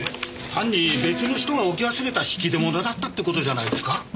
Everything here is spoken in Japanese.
単に別の人が置き忘れた引き出物だったって事じゃないですか。